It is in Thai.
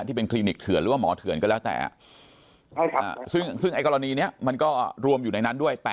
ที่เป็นคลินิกเถื่อนหรือว่าหมอเถื่อนก็แล้วแต่ซึ่งไอ้กรณีนี้มันก็รวมอยู่ในนั้นด้วย